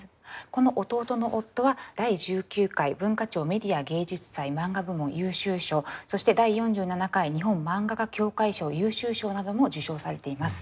この「弟の夫」は第１９回文化庁メディア芸術祭マンガ部門優秀賞そして第４７回日本漫画家協会賞優秀賞なども受賞されています。